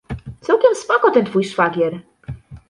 Całkiem spoko ten twój szwagier.